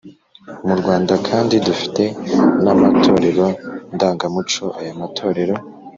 Mu Rwanda kandi dufite n’amatorero ndangamuco. Aya matorero